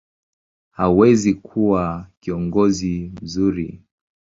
hawezi kuwa kiongozi mzuri.